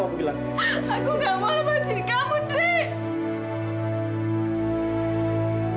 aku gak mau lepasin kamu andre